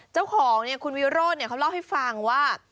เจ้าของคุณวิโรธเขาเล่าให้ฟังว่า